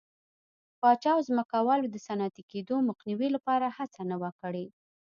پاچا او ځمکوالو د صنعتي کېدو مخنیوي لپاره هڅه نه وه کړې.